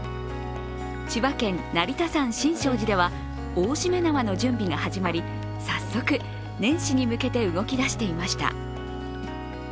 千葉県成田山新勝寺では大しめ縄の準備が始まり、早速、年始に向けて動き出していました。